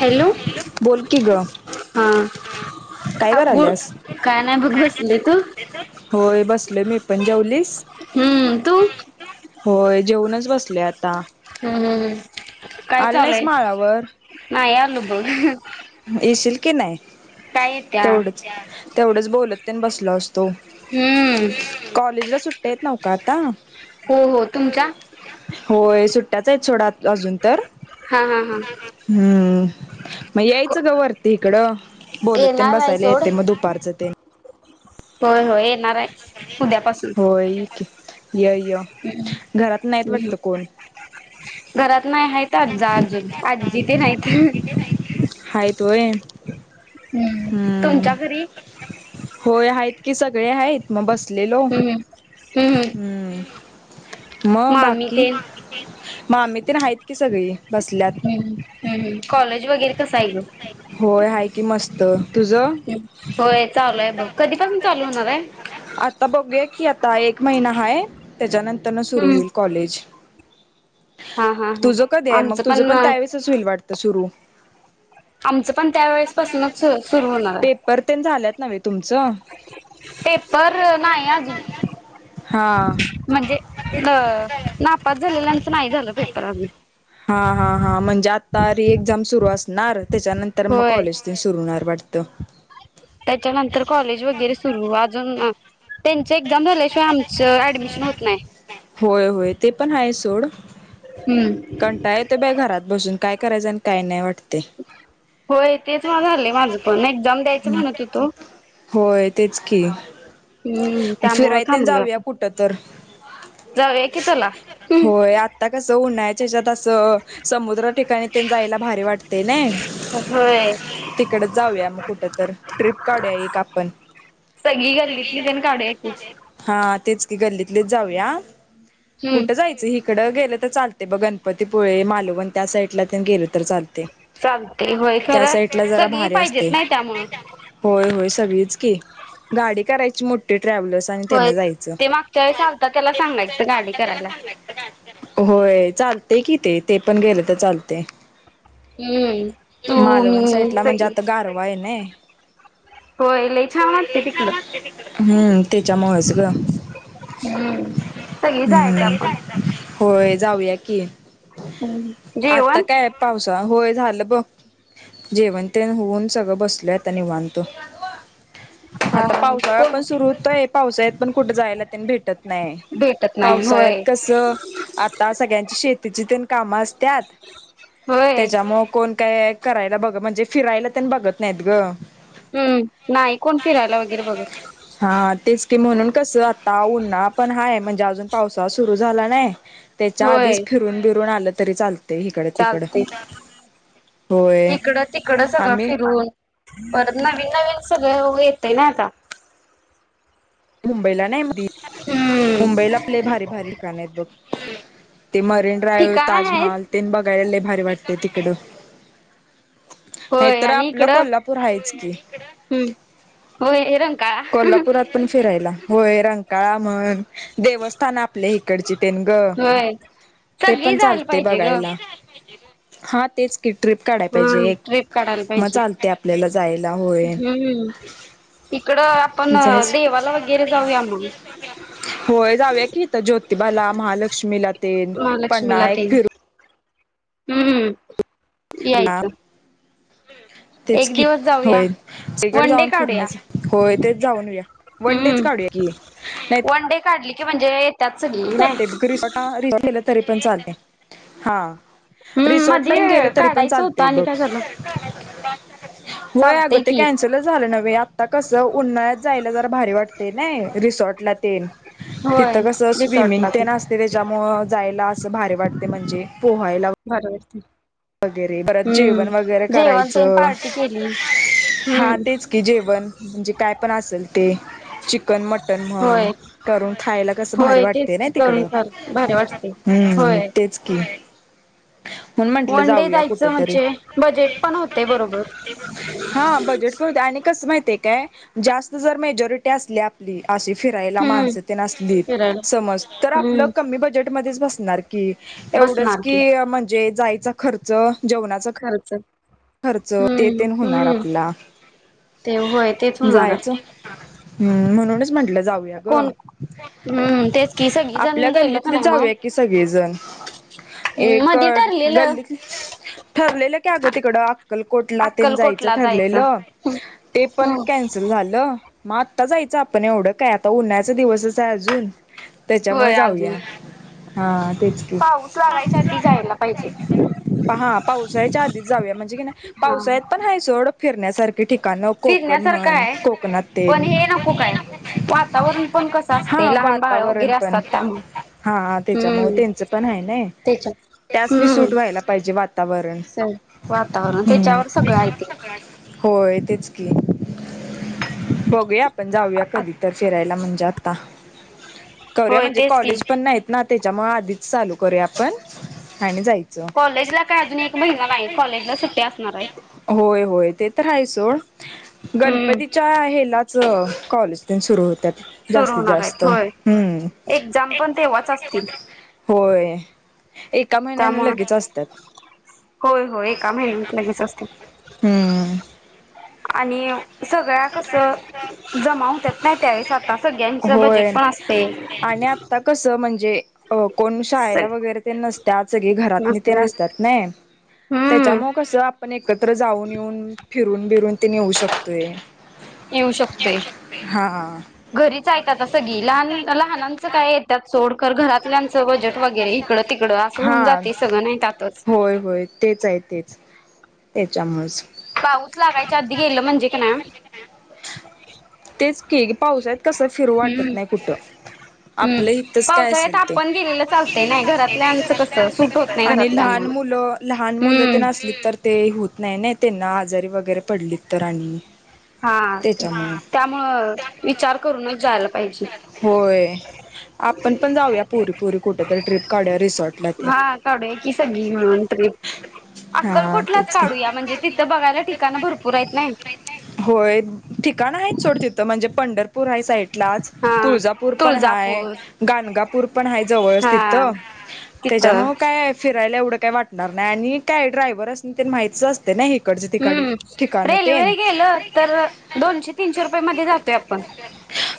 Hello बोल की ग हा काय अ करायल्यास काय नाही बघ बसली. तु? होय बसलोय मी पण. जेवलीस? हम्म तू होय जेवूनच बसले आता हम्म् काय आली नाहीस चालूय माळावर नाही आल बघ. येशील की नाही काय येत्या तेवढच तेवढंच बोलत तेन बसलो असत हम्म कॉलेजला सुट्टी आहेत नवका आता हो हो तुमच्या होय सुट्ट्याच आहेत सोडा अजून तर हा हा हा हम्म मग यायचं ग वरती इकडं बोलत तेन येणार आहे बसायला सोड येते मग दुपारचं ते होय होय येणार हाय उद्यापासून होय इकी य यं हम्म हम् घरात नाही आहेत आज्जा अजून आज्जी तेन हाईत. हायत व्हयं हम्म तुमच्या घरी होय आहेत की सगळे आहेत. मग बसलेलो. हम्म हम्म हम्म मग मामी बाकी ते मामी तेन आहेत की सगळी बसल्यात. हम्म कॉलेज वगैरे कसं आहे ग? होय आहे की मस्त. तुझ? होय चालू आहे बघ. कधीपासून चालू होणार आहे? आता बघूया की आता एक महिना हाय त्याच्यानंतर न सुरू हम्म. होईल. कॉलेज हा हा हा तुझं कधी आहे, म आमचं तुझं पण त्यावेळेसच होईल वाटत सुरू आमचं पण त्या वेळेस पासूनच सुरु होणार आहे. पेपर तेन झाल्यात नव्हे तुमचं पेपर नाही अजून हा म्हणजे अ नापात झालेल्यानच नाही झालं पेपर आजून हा हा हा म्हणजे आता रि एक्झाम सुरू असणार त्याच्यानंतर मग होय. कॉलेज. ते सुरु होणार वाढतं. त्याच्यानंतर कॉलेज वगैरे सुरू अजून त्यांच एक्झाम झाल्याशिवाय आमचं ऍडमिशन होत नाही. होय होय ते पण आहे सोड. हम्म कंटाळ येतोय बाई घरात बसून काय करायचं आणि काय नाही वाटतंय. होय तेच ना झालेय माझं पण एक्झाम द्यायचं म्हणतं होतो. होय तेच की, हम्म त्यामुळं फिराय तेन थांबलोय जाऊया आता कुठतर जाऊया की चला. होय आता कसं उन्हाळ्याच्या हेच्यात असं समुद्रात ठिकाणी जायला भारी वाटतंय नई होय. तिकडचं जाऊया म कुठतर ट्रिप काढूया एक आपण सगळी गल्लीतली तेण काढूया की हा तेच की गल्लीतलीच जाऊया. की कुठं जायचं इकडं गेलं तर चालते बघ गणपतीपुळे, मालवण त्या साईटला गेल तर चालतंय. चालतंय होय त्या खरं साईडला जरा सगळी भारी पाहिजेत असतंय. नाही त्यामुळं होय होय सगळीच की गाडी करायची मोठी ट्रॅव्हलस. होय. जायचं. ते मागच्या वेळेस आलता त्याला सांगायचं गाडी करायला. होय चालतंय कि ते, ते पण गेलं तर चालतंय. हम्म. तू मालवण मी साईटला म्हणजे सगळी आता गारवा आहे नई. होय लय छान वाटतंय तिकडं हम्म त्याच्यामुळेच ग हम्म सगळी जायचं हम्म आपण होय जाऊया की हम्म. आता जेवण काय? पावसा होय झालं बघ. जेवण तेण होऊन सगळं बसलोय आता निवांत. हा आता हा पावसाळा कोण पण सुरु सुयोग्य, पावसाळ्यात पण कुठे जायला तेण भेटत नाही. दे पावसाळ्यात कसं आता सगळ्यांची शेतीची तेण काम असत्यात. होय त्यांच्यामुळं कोण काय करायला बघ म्हणजे फिरायला तेन बघत नाहीत ग हम्म नाही कोण फिरायला वगैरे बघत हा तेच की म्हणून कसं आता उन्हाळा पण हाय म्हणजे अजून पावसाळा सुरु झाला नाही, त्याच्या आधीच होय फिरून बिरून आलं तरी चालतंय हिकडं तिकडं चालतंय होय. इकडं तिकडं सगळं आम्ही फिरून परत नवीन नवीन सगळं येतंय ना आता मुंबईला नाही हम्म मुंबईला पण लय भारी भारी ठिकाणं आहेत बघ ते मरीन ड्राईव, ठिकाण आहेत ताजमहाल तेन बघायला लय भारी वाटतंय तिकडं होय नाहीतर आणि आपलं इकडं कोल्हापूर आहेच की हम्म होय हे रंकाळा कोल्हापुरात पण फिरायला होय रंकाळा म्हण देवस्थान आपल्या इकडची तेन गं होय ते सगळी पण जायला चालतंय पाहिजे ग बघायला हा तेच ट्रिप काढायला हा पाहिजे एक ट्रिप काढायला मग पाहिजे चालतंय आपल्याला जायला होय. हम्म इकडं आपण जायच देवाला वगैरे जाऊया मग होय जाऊया की इथं ज्योतिबाला, महालक्ष्मीला तेन महालक्ष्मीला पन्हाळा ते एक फिरून हम्म हम्म या इथं तेच कि जाऊया होय तिकडे वन डे जाऊन फिरून काढूया यायचं होय तेच जाऊन येऊया हम्म वन डेच काढूया की हम्म वन डे काढली की म्हणजे येतात सगळी [inaudible] नाही रिसॉर्टला रिसॉर्टला गेलं तरी पण चालतंय हा हम्म रिसॉर्टला आणि गेलं मध्ये तरी पण काढायचं होतं चालतंय आणि बघ काय झालं होय अगं चालतंय ते की कॅन्सलच झालं नव्हे आ आता कसं उन्हाळ्यात जायला जरा भारी वाटतंय नाय रिसॉर्टला तेन तिथं होय कसं स्विमिंग रिसॉर्टला ते तेन असतयं त्यांच्यामुळ जायला असं भारी वाटतंय म्हणजे पोहायला भारी वाटतंय वगैरे परत जेवण वगैरे जेवण तेन करायचं पार्टी केली. हा हम्म. तेच की जेवण म्हणजे काय पण असेल ते चिकन मटन म्हण होय करून खायला कस भारी होय वाटते तेच ना की तिकड करून फार भारी वाटते. हम्म होय तेच की [inaudible] [inaudible] वन डे कुठ जायचं तरी म्हणजे बजेट पण होतंय बरोबर हा बजेट आणि कसं माहितीये काय जास्त जर मेजॉरिटी असली आपली अशी फिरायला हम्म. माणसं तेन फिरायला असलीत समज तर आपलं हम्म. कमी बजेटमध्येच बसणार की एवढंच की म्हणजे जायचा खर्च जेवणाचा खर्च ते हम्म. तेन होणार हम्म आपला ते होय तेच होणार आहे जायचं हम्म म्हणूनच म्हंटलं जाऊ जाऊया कोण गं हम्म तेच की सगळी आपल्या जण गेलं का गल्लीतली नाही मग जाऊया की सगळेजण हम्म एक मधी ठरलेलं गल्ली ठरलेलं की अगं तिकड अक्कलकोटला तेन जायचं ठरलेलं ते पण हम्म. कॅन कॅन्सल झालं मग आता जायचं आपण एवढं काय आता उन्हाळचा दिवसच आहे अजून त्याच्यामुळे होय अजून जाऊया हा तेच की पाऊस लागायच्या आधी जायला पाहिजे हा पावसाच्या आधीच जाऊया म्हणजे की नाही हा पावसाळत पण हाय सोड फिरण्यासारखे ठिकाण कोकण फिरण्यासारखं म्हण आहे. कोकणात पण तेल हे नको काय वातावरण पण कसं असते हा लहान बाळ वातावरण वगैरे पण असतात त्यामुळे हा त्याच्यामुळे हम्म त्यांच पण आहे ना त्याच्या त्याचनी हम्म सूट व्हायला. पाहिजे वातावरण स वातावरण त्याच्यावर सगळं आहे ते होय तेच बघूया आपण जाऊया कधी तर फिरायला म्हणजात. करूया होय म्हणजे तेच की कॉलेज पण नाही. ना त्याच्यामुळे आधीच चालू करूया आपण आणि जायचं. कॉलेजला काय अजून एक महिना नाही, कॉलेजला सुट्टी असणार आहेत. होय होय ते तर आहेय सोड हम्म गणपतीच्या हेलाच कॉलेज सुरू होत्या. सुरू जास्तीत होणार जास्त आहेत होय हम्म. एक्झाम पण तेव्हाच असतील. होय एका महिन्यान त्यामुळे लगेच अस होय होय एका महिन्यात लगेच असत हम्म आणि सगळ्या कस जमा होतात नाही त्यावेेळेस आता सगळ्यांच होय बजेट पण असते. आणि आता कसं म्हणजे अ कोण शाळेला वगैरे ते नसतात सगळे घरात नी ते नसते नसतात नाय त्या त्या हम्म मग कसं आपण एकत्र जाऊन येऊन फिरून बिरून ते नेऊ शकतोय. येऊ शकते, हा. घरीच आहेत आता सगळी लहान लहानांचं काय त्यात सोड कर घरातल्यांचं बजेट वगैरे इकडं तिकडं असं होऊन हा जाते सगळं नाही टाकच होय होय तेच आहे तेच त्याच्यामुळच पाऊच लागायच्या आधी गेलं म्हणजे का नाही तेच की पावसात कसं फिरू हम्म वाटत नाही कुठं. हम्म आपलं हीथच काय पावसाळ्यात असेल ते आपण गेलेलं चालतंय नाही घरातल्यांचं कसं सूट होत नाही आणि लहान घरातल्यांना. मुलं लहान मुलं हम्म तेन आसली तर ते होत नाही ना त्यांना आजारी वगैरे पडलीत तर आणि हा त त्याच्यामुळे त्यामुळं विचार करूनच जायला पाहिजे. होय आपण पण जाऊया पोरी पोरी कुठेतरी ट्रिप काढूया रिसॉर्टला त्या. हा काढूया की सगळी मिळून ट्रिप. अक्कलकोटलाच काढूया म्हणजे तिथं बघायला ठिकाणं भरपूर हयेत नाही. होय ठिकाण आहे सोड तिथं म्हणजे पंढरपूर पूर आहे साइटलाच हा तुळजापूर पण हाय, तुळजापूर गाणगापूर पण आहे जवळच हा तिथं तिथं त्याच्यामु काय फिरायला एवढं काय वाटणार नाही आणि काय ड्रायव्हरास्नि ते माहीतच असत ना हे. हम्म रेल्वेइ गेलं तर दोनशे तीनशे रुपये मध्ये जातोय आपण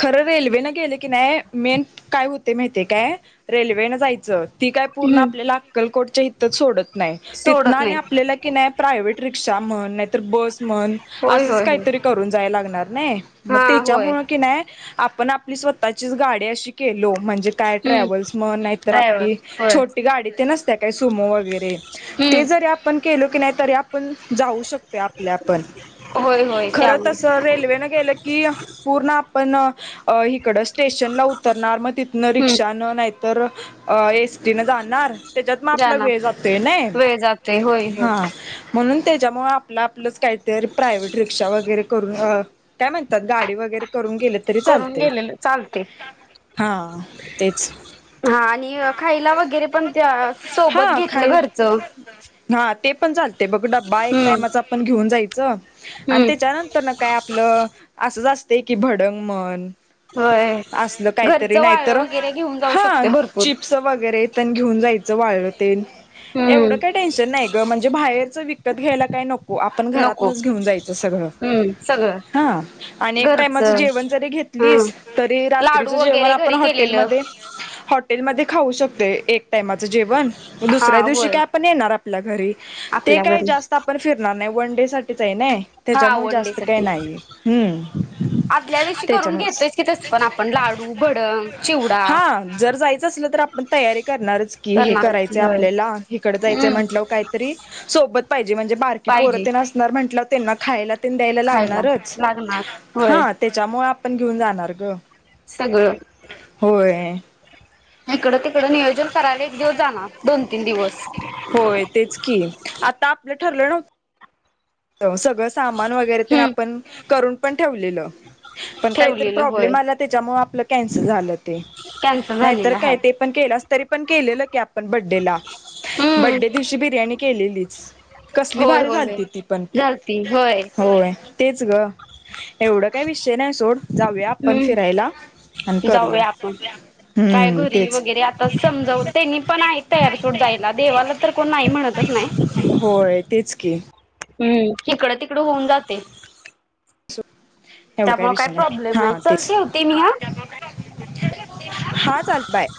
खरं रेल्वेनं गेलं की नाही मेन काय होते माहिती काय रेल्वेन जायचं ती काय पूर्ण हम्म आपल्याला अक्कलकोटच्या हिथ सोडत नाही तिथन सोडत आणि नाही आपल्याला की नाही प्रायवेट रिक्षा म्हण नाही तर बस म्हण होय असंच होय होय काहीतरी करून जायला लागणार नाही मग हा होय त्याच्यामुळं की नाही आपण आपली स्वतःचीच गाडी अशी केलो म्हणजे काय हम्म ट्रॅव्हल्स म्हण नाहीतर आपली ड्रायव्हर होय छोटी गाडी ते नसत्या काय सुमो वगैरे ते हम्म जरी आपण केलो की नाही तर आ पण जाऊ शकते आपले आपण, होय होय खर त्यामुळे तसं रेल्वेन गेलं की पूर्ण आपण अ इकडं स्टे शनला उतरणार मग तिथन हम्म रिक्षान नाहीतर अ एसटी न जाणार त्याच्यात मग आपला वेळ जाणार जातोय नाइ वेळ जातोय होय होय हा म्हणून त्याच्यामुळ आपलं आपलंच काहीतरी प्रायव्हेट रिक्षा वगैरे करून अ काय म्हणतात गाडी वगैरे करून गेले तरी करून चालते गेलेल चालते हा ते हा आणि खायला वगैरे पण त्या हा सोबत घेतलं खायला घरच हा ते पण चालतय बघ डब्बा एक हम्म टाइमाच आपण घेऊन जायचं आणि हम्म त्याच्यानंतर ना काय आपलं असंच असतंय की भडंग म्हण होय असलं काहीतरी घरचं वाळलं नाहीतर वगैरे घेऊन जाऊ हा शकतोय भरपूर. चिप्स वगैरे पण घेऊन जायच वाळल तेन एवढं काय हम्म टेन्शन नाही ग म्हणजे बाहेरच विक विकत घ्यायला काय नको हो आपण नको घरातनच घेऊन जायच सगळं हम्म सगळं ह आणि एक टायमाच घरचं जेवण जरी घेत हम्म. घेतलीस तरी लाडू रात्रीच जेवण वगैरे आपण घरी हा केलेलं. हॉटेलमध्ये हॉटेलमध्ये खाऊ शकतोय एक टायमाच जेवण हा दुसऱ्या दिवशी होय काय आपण येणार आपल्या घरी ते आपल्या काय घरी. जास्त आपण फिरणार नाही वन डे साठीच हाय नाई. हा वन डे साठी आदल्या दिवशी करून त्याच्यामुळेच घेतयच की तस पण आपण लाडू भडंग, चिवडा. हा जर जायचं असलं तर आपण तयारी करणारच कि हे करणारच की करायचंय होय. आपल्याला. इकड जायचं हम्म म्हटलं काहीतरी सोबत पाहिजे म्हणजे बार की पोर पाहिजे तेन असणार म्हटल्यावर त्यांना खायला तेन द्यायला खायला लागणारच लागणार होय. हा त्याच्यामुळ आपण घेऊन जाणार ग सगळं होय. हिकडं तिकड नियोजन करायला एक दिवस जाणार दोन तीन दिवस होय तेच की आत्ता आपलं ठरलं न सगळं सामान वगैरे तेन हम्म आपण करून पण ठेवलेलं. पण काय तर ठेवलेलं होय प्रॉब्लेम आला त्याच्यामुळे आपलं कॅन्सल झालं ते कॅन्सल नाही तर झालेलं हाय. काय ते पण केलास तरी पण केलेलं की आपण बड्डेला हम्म बड्डे दिवशी बिर्याणी केलेलीच. कसली होय भारी होय होय झालती ती पण झालती होय. होय तेच ग एवढं काय विषय नाही सोड. जाऊया आपण हम्म फिरायला आणि करूया. जाऊया आपण. काय हम्म घरी तेच वगैरे आता समजावून त्यांनी पण आहे तयार सोड जायला देवाला तर कोण नाही म्हणतच नाही होय तेच की हम् इकड तिकड होऊन जातय. सोड एवढ काय त्यामुळे काही विषय नाही प्रॉब्लेम हा चल तेच. ठेवते मी हा. हा चालत बाय.